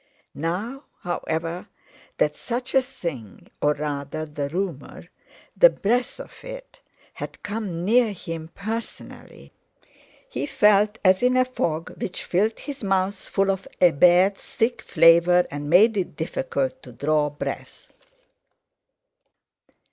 Now, however, that such a thing—or rather the rumour, the breath of it—had come near him personally, he felt as in a fog, which filled his mouth full of a bad, thick flavour, and made it difficult to draw breath.